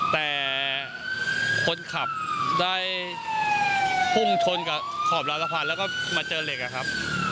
แต่คนขับได้พุ่งชนกับขอบราวสะพานแล้วก็มาเจอเหล็กอะครับ